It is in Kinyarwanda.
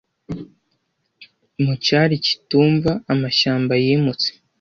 mu cyari kitumva amashyamba yimutse